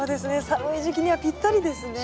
寒い時期にはぴったりですね。